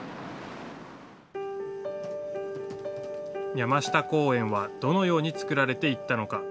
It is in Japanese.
山下公園はどのようにつくられていったのか。